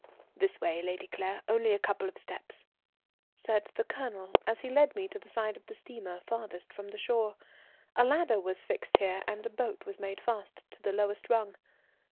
"This way, Lady Claire, only a couple of steps," said the Colonel as he led me to the side of the steamer farthest from the shore. A ladder was fixed here and a boat was made fast to the lowest rung.